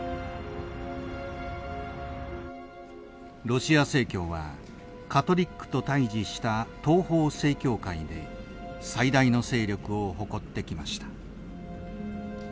ロシア正教はカトリックと対じした東方正教会で最大の勢力を誇ってきました。